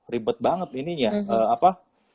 ribet banget ininya apa